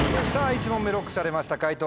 １問目ＬＯＣＫされました解答